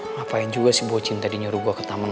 ngapain juga si bocin tadi nyuruh gue ke taman